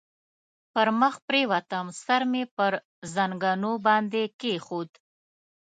پر مخ پرېوتم، سر مې پر زنګنو باندې کېښود.